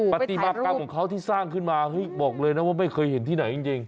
ปฏิมากรรมของเขาที่สร้างขึ้นมาเฮ้ยบอกเลยนะว่าไม่เคยเห็นที่ไหนจริง